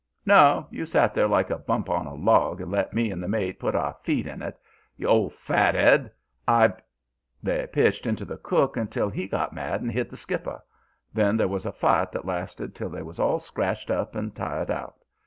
"'No. You set there like a bump on a log and let me and the mate put our feet in it. You old fat 'ead! I ' "They pitched into the cook until he got mad and hit the skipper. Then there was a fight that lasted till they was all scratched up and tired out.